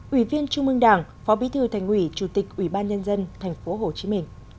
ủy viên chung mương đảng phó bí thư thành ủy chủ tịch ubnd tp hcm